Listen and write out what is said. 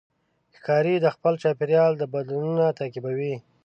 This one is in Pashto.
ښکاري د خپل چاپېریال بدلونونه تعقیبوي.